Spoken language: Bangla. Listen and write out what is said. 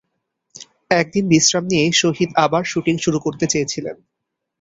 এক দিন বিশ্রাম নিয়েই শহীদ আবার শুটিং শুরু করতে চেয়েছিলেন।